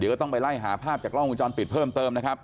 ก็ต้องไปไล่หาภาพจากกล้องวงจรปิดเพิ่มเติมนะครับ